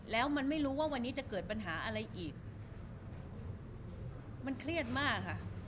แล้วมันไม่รู้ว่าวันนี้จะเกิดปัญหาอะไรอีกมันเครียดมากค่ะ